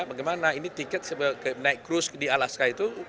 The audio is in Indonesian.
bagaimana ini tiket naik kru di alaska itu